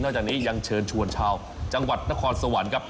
จากนี้ยังเชิญชวนชาวจังหวัดนครสวรรค์ครับ